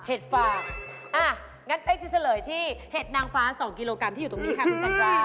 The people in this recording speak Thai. ฝากอ่ะงั้นเป๊กจะเฉลยที่เห็ดนางฟ้า๒กิโลกรัมที่อยู่ตรงนี้ค่ะคุณสันรา